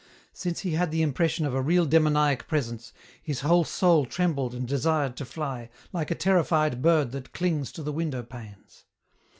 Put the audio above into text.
Since he had the impression of a real demoniac presence, his whole soul trembled and desired to fly, like a terrified bird that clings to the window panes.